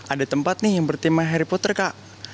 ada tempat nih yang bertema harry potter kak